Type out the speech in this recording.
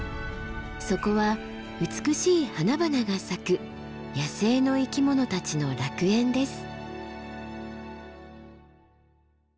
そこは美しい花々が咲く野生の生き物たちの楽園です。